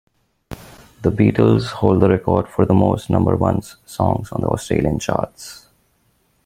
The Beatles hold the record for the most number-ones songs on the Australian charts.